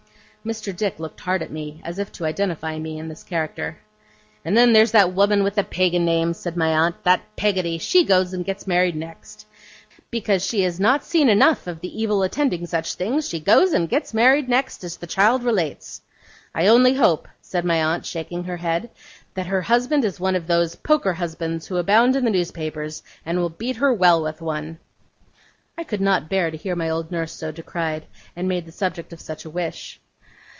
Mr. Dick looked hard at me, as if to identify me in this character. 'And then there's that woman with the Pagan name,' said my aunt, 'that Peggotty, she goes and gets married next. Because she has not seen enough of the evil attending such things, she goes and gets married next, as the child relates. I only hope,' said my aunt, shaking her head, 'that her husband is one of those Poker husbands who abound in the newspapers, and will beat her well with one.' I could not bear to hear my old nurse so decried, and made the subject of such a wish.